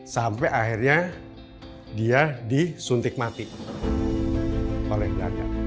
sampai akhirnya dia disuntik mati oleh belanda